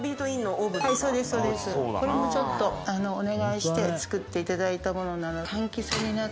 これもちょっとお願いして作っていただいたもの。